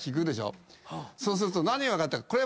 そうすると何が分かったか。